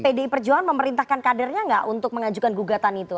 tapi tapi pdi perjuangan memerintahkan kadernya enggak untuk mengajukan gugatan itu